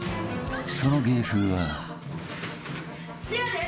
［その芸風は］